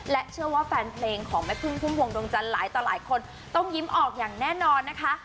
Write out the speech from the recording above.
เชื่อว่าแฟนเพลงของแม่พึ่งพุ่มพวงดวงจันทร์หลายต่อหลายคนต้องยิ้มออกอย่างแน่นอนนะคะ